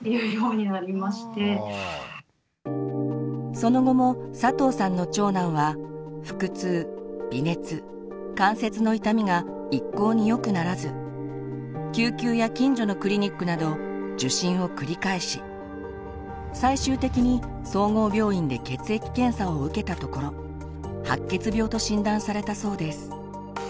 その後も佐藤さんの長男は腹痛微熱関節の痛みが一向に良くならず救急や近所のクリニックなど受診を繰り返し最終的に総合病院で血液検査を受けたところ白血病と診断されたそうです。